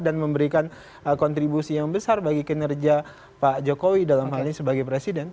dan memberikan kontribusi yang besar bagi kinerja pak jokowi dalam hal ini sebagai presiden